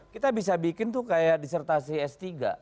kita bisa bikin tuh kayak disertasi s tiga